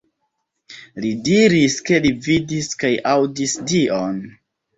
Li diris ke li vidis kaj aŭdis Dion.